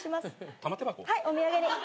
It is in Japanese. はいお土産に。